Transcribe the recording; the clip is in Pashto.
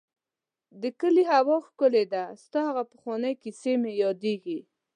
د کلي هوا ښکلې ده ، ستا هغه پخوانی کيسې مې ياديږي.